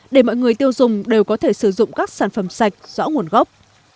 để mọi người tiêu dùng đều có thể sử dụng các sản phẩm sạch rõ nguồn gốc